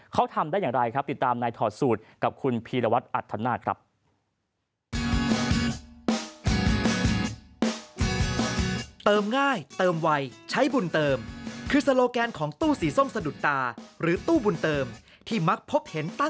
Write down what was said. เขาทำได้อย่างไรครับติดตามนายถอดสูตรกับคุณพีรวัตรอัธนาคครับ